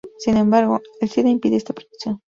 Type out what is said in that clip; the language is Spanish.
Sin embargo, el Sida impide esta proyección.